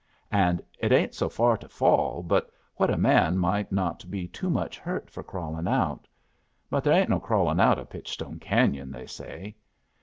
And it ain't so far to fall but what a man might not be too much hurt for crawlin' out. But there ain't no crawlin' out o' Pitchstone Canyon, they say.